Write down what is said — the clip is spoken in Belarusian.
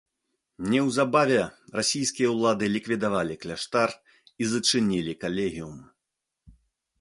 Неўзабаве расійскія ўлады ліквідавалі кляштар і зачынілі калегіум.